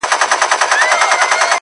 خدای درکړی لوړ قامت او تنه پلنه!!